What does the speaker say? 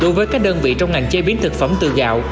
đối với các đơn vị trong ngành chế biến thực phẩm từ gạo